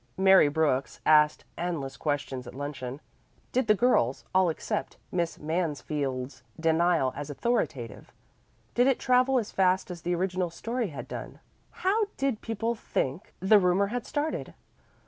Mary Brooks asked endless questions at luncheon. Did the girls all accept Miss Mansfield's denial as authoritative? Did it travel as fast as the original story had done? How did people think the rumor had started?